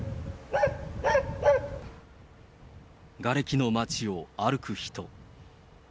がれきの街を歩く人。